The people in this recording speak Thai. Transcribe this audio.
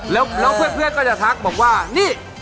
แล้วเพื่อนก็จะทักบอกว่านี่